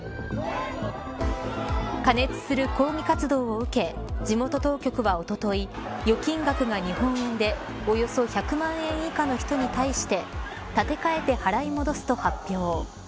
加熱する抗議活動を受け地元当局はおととい預金額が日本円でおよそ１００万円以下の人に対して立て替えて払い戻すと発表。